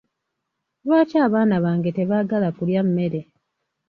Lwaki abaana bange tebaagala kulya mmere?